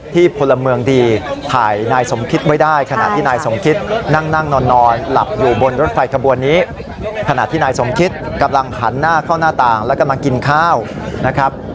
ตอนหลับอยู่บนรถไฟกระบวนนี้ขณะที่นายสมคิตกำลังหันหน้าเข้าหน้าต่างแล้วก็มากินข้าวนะครับ